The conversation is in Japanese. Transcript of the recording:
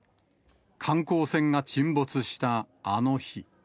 観光船が沈没したあの日。